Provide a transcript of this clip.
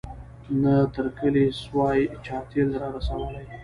نه تر کلي سوای چا تېل را رسولای